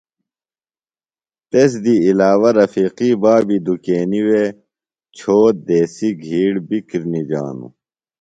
تس دی علاوہ رفیقی بابی دُکینیۡ وے چھوت دیسیۡ گِھیڑ بیۡ کِرنِجانوۡ۔